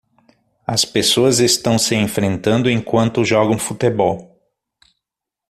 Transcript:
As pessoas estão se enfrentando enquanto jogam futebol.